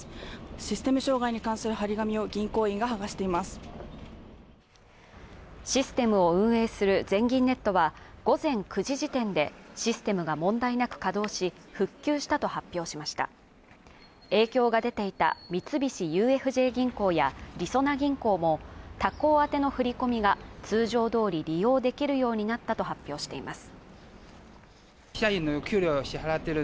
システム障害に関する貼り紙を銀行員がはがしていますシステムを運営する全銀ネットは午前９時時点でシステムが問題なく稼働し復旧したと発表しました影響が出ていた三菱ＵＦＪ銀行やりそな銀行も他行あての振込が通常どおり利用できるようになったと発表しています